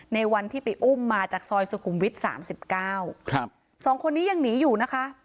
ในวันที่ไปอุ้มมาจากซอยสุขุมวิทย์สามสิบเก้าครับสองคนนี้ยังหนีอยู่นะคะ